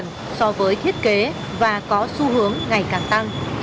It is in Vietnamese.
nhiều lần so với thiết kế và có xu hướng ngày càng tăng